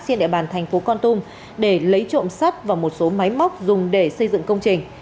trên địa bàn thành phố con tum để lấy trộm sắt và một số máy móc dùng để xây dựng công trình